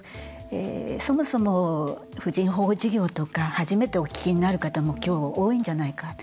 そもそも婦人保護事業とか初めてお聞きになる方もきょう、多いんじゃないか。